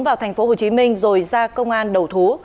vào thành phố hồ chí minh rồi ra công an đầu thú